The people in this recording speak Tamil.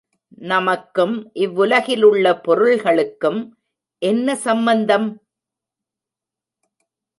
நமக்கும் இவ்வுலகிலுள்ள பொருள்களுக்கும் என்ன சம்பந்தம்?